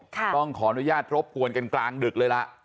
ต้องขออนุญาตรบกวนกันกลางดึกเลยล่ะ